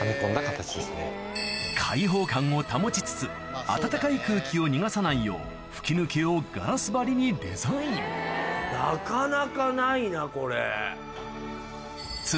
開放感を保ちつつ暖かい空気を逃がさないよう吹き抜けをガラス張りにデザインなかなかないなこれ。